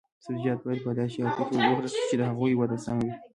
سبزیجات باید په داسې شرایطو کې وکرل شي چې د هغوی وده سمه وي.